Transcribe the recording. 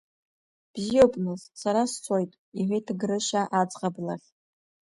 Бзиоуп нас, сара сцоит, – иҳәеит Грышьа аӡӷаб лахь.